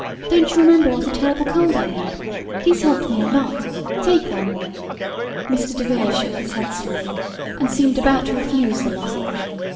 Don't you remember what a terrible cold I had? These helped me a lot. Take one!" Mr. DeVere shook his head slightly, and seemed about to refuse the lozenge.